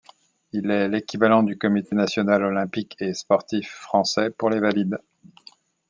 Il est l’équivalent du Comité national olympique et sportif français pour les valides.